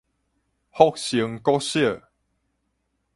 福星國小